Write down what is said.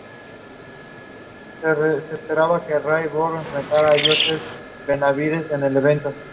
Al salir encuentran a Cletus y su esposa vendiendo vegetales.